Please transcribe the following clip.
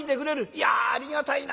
いやありがたいな」。